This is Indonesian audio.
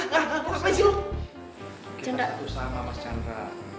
kita satu sama mas chandra